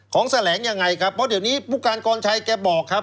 แสลงยังไงครับเพราะเดี๋ยวนี้ผู้การกรชัยแกบอกครับ